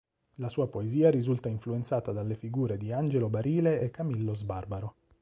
La sua poesia risulta influenzata dalle figure di Angelo Barile e Camillo Sbarbaro.